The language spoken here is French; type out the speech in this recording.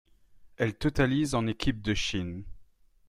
Elle totalise en équipe de Chine.